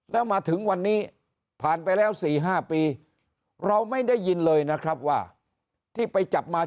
แล้วมาถึงวันนี้ผ่านไปแล้ว๔๕ปีเราไม่ได้ยินเลยนะครับว่าที่ไปจับมา